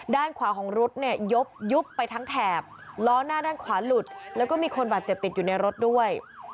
ด้านขวาของรถเนี่ยยุบยุบไปทั้งแถบล้อหน้าด้านขวาหลุดแล้วก็มีคนบาดเจ็บติดอยู่ในรถด้วย